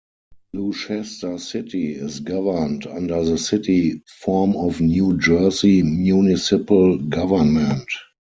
Gloucester City is governed under the City form of New Jersey municipal government.